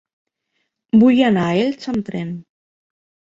Vull anar a Elx amb tren.